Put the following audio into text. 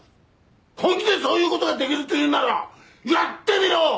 本気でそういう事ができるというならやってみろ！